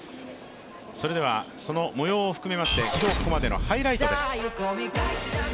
それではそのもようを含めまして今日ここまでのハイライトです。